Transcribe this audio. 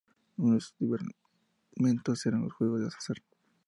Uno de estos divertimentos eran los juegos de azar.